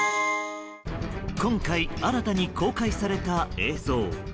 今回、新たに公開された映像。